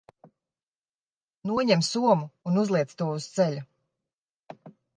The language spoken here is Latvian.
Noņem somu un uzliec to uz ceļa.